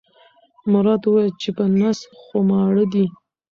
مراد وویل چې په نس خو ماړه دي.